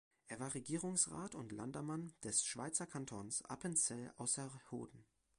Er war Regierungsrat und Landammann des Schweizer Kantons Appenzell Ausserrhoden.